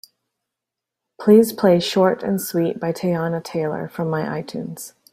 Please play Short And Sweet by Teyana Taylor from my itunes.